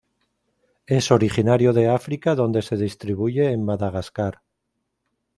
Es originario de África donde se distribuye en Madagascar.